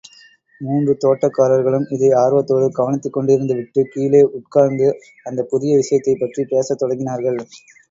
மூன்று தோட்டக்காரர்களும் இதை ஆர்வத்தோடு கவனித்துக் கொண்டிருந்துவிட்டுக் கீழே உட்கார்ந்து அந்தப் புதிய விஷயத்தைப் பற்றிப் பேசத் தொடங்கினார்கள்.